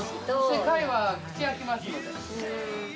貝は口開きますので。